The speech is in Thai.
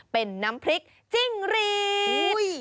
เป็นน้ำพริกจิ้งรีด